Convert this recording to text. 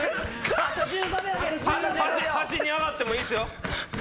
端に上がってもいいんすよ。